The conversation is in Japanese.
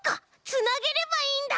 つなげればいいんだ！